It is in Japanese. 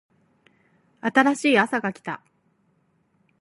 新しいあさが来た